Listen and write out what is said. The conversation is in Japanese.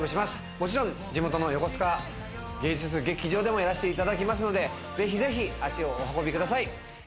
もちろん地元の横須賀芸術劇場でもやらせていただきますので、ぜひぜひ足をお運びください。